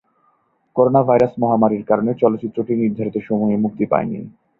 Coronavirus মহামারীর কারণে চলচ্চিত্রটি নির্ধারিত সময়ে মুক্তি পায়নি।